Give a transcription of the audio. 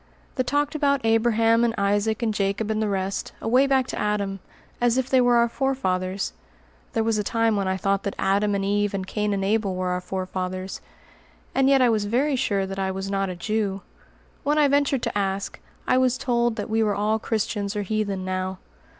The talked about Abraham and Isaac and Jacob and the rest, away back to Adam, as if they were our forefathers (there was a time when I thought that Adam and Eve and Cain and Abel were our four fathers); and yet I was very sure that I was not a Jew. When I ventured to ask, I was told that we were all Christians or heathen now.